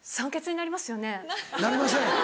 なりません。